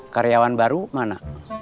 karyawan baru mana